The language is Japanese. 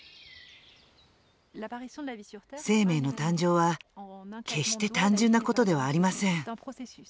生命の誕生は決して単純なことではありません。